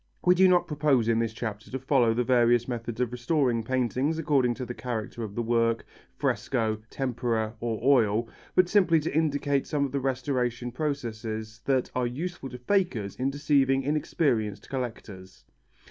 We do not propose in this chapter to follow the various methods of restoring paintings according to the character of the work, fresco, tempera or oil, but simply to indicate some of the restoration processes that are useful to fakers in deceiving inexperienced collectors.